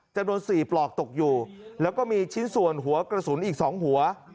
จำนวน๔ปลอกตกอยู่แล้วก็มีชิ้นส่วนหัวกระสุนอีก๒หัว